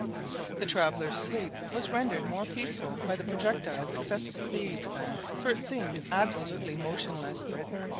The travelers' sleep was rendered more peaceful by the projectile's excessive speed, for it seemed absolutely motionless.